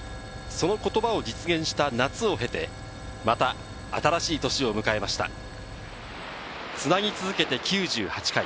その言葉を実現した夏を経て、また新しい年を迎えました。